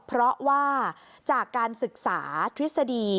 เพราะว่าจากการศึกษาทฤษฎี